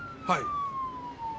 はい。